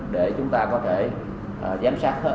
để chúng ta có thể giám sát